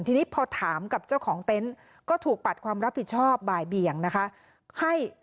ทีนี้พอถามกับเจ้าของเต็นต์ก็ถูกปัดความรับผิดชอบบ่ายเบี่ยงนะคะ